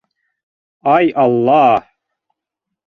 - Ай, алла!